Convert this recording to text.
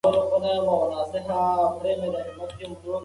حرفه ټولنه بدلوي.